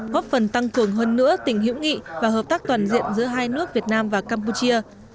góp phần tăng cường hơn nữa tình hữu nghị và hợp tác toàn diện giữa hai nước việt nam và campuchia